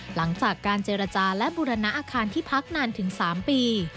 หลังจากการเจรจาและบูรณะอาคารที่พักนานถึง๓ปี